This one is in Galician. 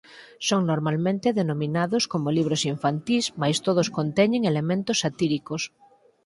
Son normalmente denominados como libros infantís mais todos conteñen elementos satíricos.